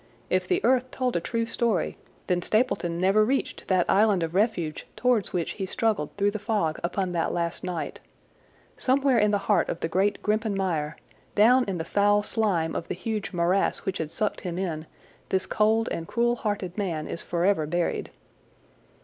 If the earth told a true story, then Stapleton never reached that island of refuge towards which he struggled through the fog upon that last night. Somewhere in the heart of the great Grimpen Mire, down in the foul slime of the huge morass which had sucked him in, this cold and cruel hearted man is forever buried.